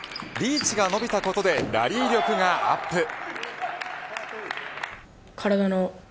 リーチが伸びたことでラリー力がアップ。